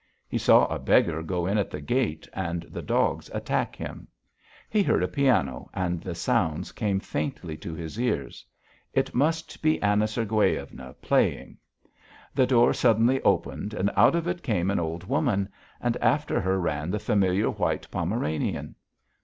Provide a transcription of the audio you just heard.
He saw a beggar go in at the gate and the dogs attack him. He heard a piano and the sounds came faintly to his ears. It must be Anna Sergueyevna playing. The door suddenly opened and out of it came an old woman, and after her ran the familiar white Pomeranian.